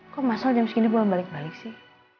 kok masalah jam segini gue balik balik sih